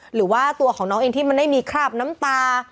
หรือว่าตัวของน้องเองที่มันไม่มีคราบน้ำตา